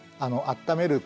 あっためる